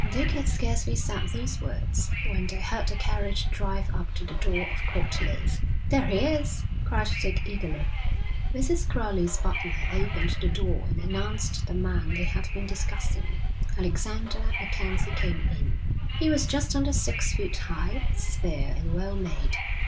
Dick had scarcely said these words when they heard the carriage drive up to the door of Court Leys. 'There he is,' cried Dick eagerly. Mrs. Crowley's butler opened the door and announced the man they had been discussing. Alexander MacKenzie came in. He was just under six feet high, spare and well made.